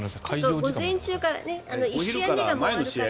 午前中から１試合目があるから。